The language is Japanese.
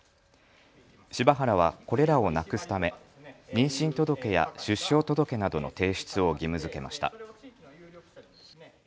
柴原はこれらをなくすため妊娠届や出生届などの提出を義務づけました。